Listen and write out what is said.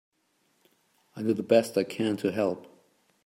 I do the best I can to help.